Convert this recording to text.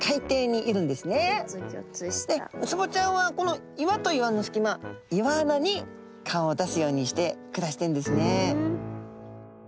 でウツボちゃんはこの岩と岩の隙間岩穴に顔を出すようにして暮らしてるんですね。